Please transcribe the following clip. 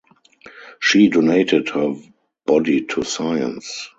She donated her body to science.